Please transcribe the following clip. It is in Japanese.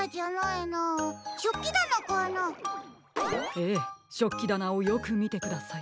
ええしょっきだなをよくみてください。